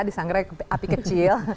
disangrai api kecil